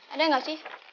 ada gak sih